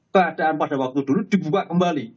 keadaan pada waktu dulu dibuka kembali